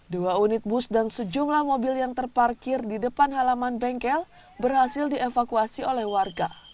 dua unit bus dan sejumlah mobil yang terparkir di depan halaman bengkel berhasil dievakuasi oleh warga